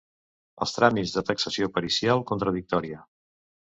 Els tràmits de taxació pericial contradictòria.